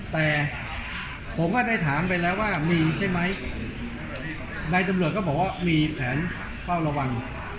แต่ผมก็ได้ถามไปแล้วว่ามีใช่ไหมนายตำรวจก็บอกว่ามีแผนเฝ้าระวัง